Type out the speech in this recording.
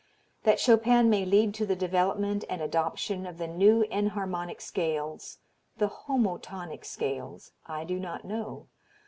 That Chopin may lead to the development and adoption of the new enharmonic scales, the "Homotonic scales," I do not know.